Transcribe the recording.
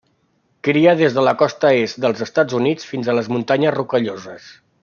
Cria des de la costa est dels Estats Units fins a les Muntanyes Rocalloses.